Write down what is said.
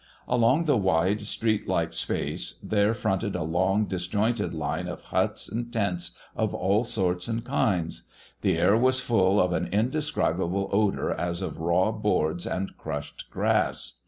Along the wide, street like space there fronted a long, disjointed line of huts and tents of all sorts and kinds. The air was full of an indescribable odor as of raw boards and crushed grass.